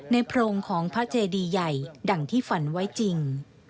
โพรงของพระเจดีใหญ่ดังที่ฝันไว้จริง